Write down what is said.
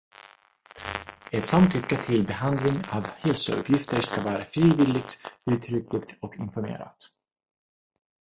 Ett samtycke till behandling av hälsouppgifter ska vara frivilligt, uttryckligt och informerat.